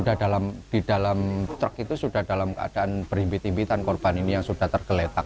di dalam truk itu sudah dalam keadaan berhimpit impitan korban ini yang sudah tergeletak